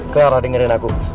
clara dengerin aku